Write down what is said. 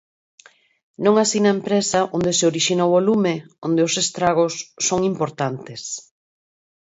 Non así na empresa onde se orixinou o lume, onde os estragos son importantes.